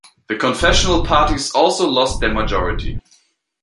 The confessional parties also lost their majority.